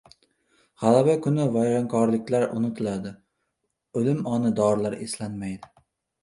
• G‘alaba kuni vayronkorliklar unutiladi, o‘lim oni dorilar eslanmaydi.